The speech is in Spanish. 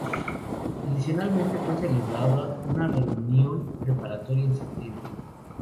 Adicionalmente fue celebrada una reunión preparatoria en septiembre.